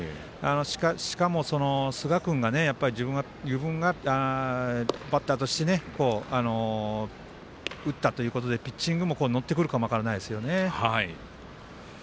しかも、寿賀君が自分がバッターとして打ったということでピッチングも乗ってくるかも分からないですよね。